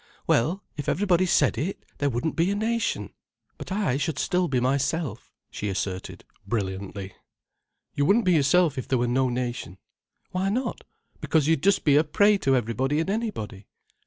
"Well, if everybody said it, there wouldn't be a nation. But I should still be myself," she asserted brilliantly. "You wouldn't be yourself if there were no nation." "Why not?" "Because you'd just be a prey to everybody and anybody."